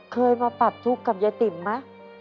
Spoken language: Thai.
เคยมาปรับทุกข์กับยายติ๋มไหม